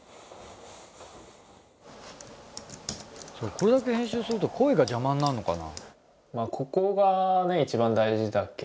これだけ編集すると声が邪魔になんのかな？